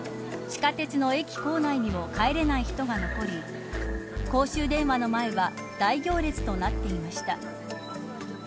地下鉄の駅構内にも帰れない人が残り公衆電話の前は大行列となっていました。